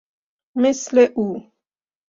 مثل او